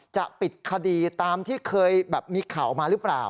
จะปิดคดีตามที่เคยแบบมีข่าวมาหรือเปล่า